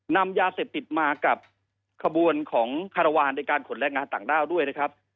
นำยาเสพติดมากับขบวนของคารวาลในการขนแรงงานต่างด้าวด้วยนะครับ